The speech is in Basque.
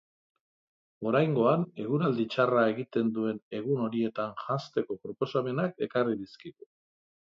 Oraingoan eguraldi txarra egiten duen egun horietan janzteko propoamenak ekarri dizkigu.